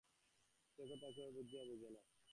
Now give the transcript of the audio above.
সে কথা কেহ বুঝিয়াও বোঝে না কেন!